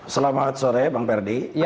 selamat sore bang ferdi